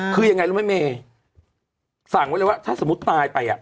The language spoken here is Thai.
คือยังไงรู้ไหมเมย์สั่งไว้เลยว่าถ้าสมมุติตายไป